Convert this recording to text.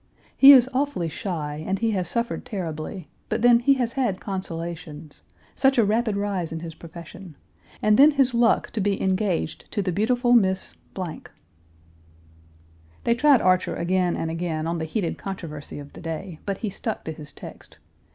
He is awfully shy, and he has suffered terribly, but then he has had consolations such a rapid rise in his profession, and then his luck to be engaged to the beautiful Miss ." They tried Archer again and again on the heated controversy of the day, but he stuck to his text.